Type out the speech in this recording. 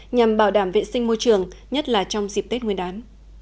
nhằm bảo đảm vệ sinh môi trường nhất là trong dịp tết nguyên đán